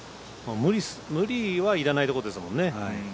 無理はいらないってことですもんね。